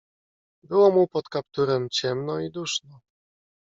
"Było mu pod kapturem ciemno i duszno."